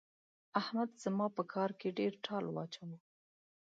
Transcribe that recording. احمد زما په کار کې ډېر ټال واچاوو.